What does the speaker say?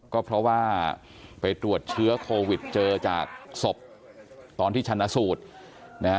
ก็เพราะว่าไปตรวจเชื้อโควิดเจอจากศพตอนที่ชนะสูตรนะฮะ